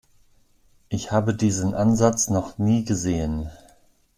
Ich habe diesen Ansatz noch nie gesehen.